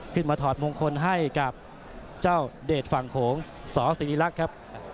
ถอดมงคลให้กับเจ้าเดชฝั่งโขงสศิริรักษ์ครับ